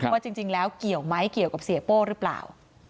ว่าจริงแล้วเกี่ยวไหมเกี่ยวกับเสียโป้หรือเปล่า